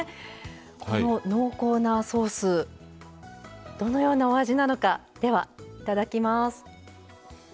この濃厚なソースどのようなお味なのかいただきます。